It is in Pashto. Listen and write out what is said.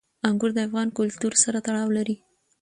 انګور د افغان کلتور سره تړاو لري.